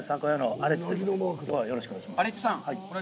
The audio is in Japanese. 荒地さん、よろしくお願いします。